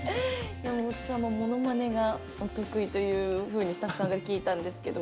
山本さんもモノマネがお得意というふうにスタッフさんから聞いたんですけど。